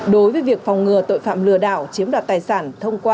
đối với việc phòng ngừa tội phạm lừa đảo chiếm đạt tài sản